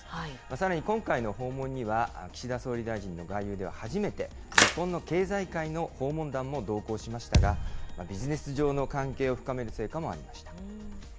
さらに、今回の訪問には、岸田総理大臣の外遊では初めて、日本の経済界の訪問団も同行しましたが、ビジネス上の関係を深める成果もありました。